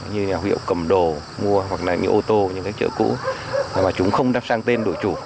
như là huyệu cầm đồ mua hoặc là những cái ô tô những cái chợ cũ mà chúng không đặt sang tên đổi chủ